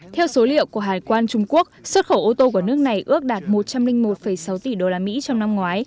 theo số liệu của hải quan trung quốc xuất khẩu ô tô của nước này ước đạt một trăm linh một sáu tỷ đô la mỹ trong năm ngoái